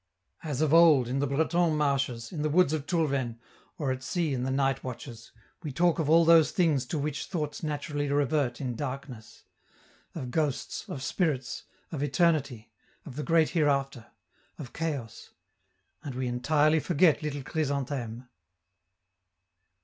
As of old, in the Breton marshes, in the woods of Toulven, or at sea in the night watches, we talk of all those things to which thoughts naturally revert in darkness; of ghosts, of spirits, of eternity, of the great hereafter, of chaos and we entirely forget little Chrysantheme!